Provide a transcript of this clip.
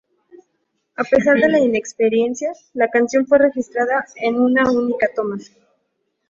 A pesar de la inexperiencia, la canción fue registrada en una única toma.